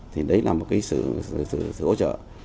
thì đấy là một cái sự hỗ trợ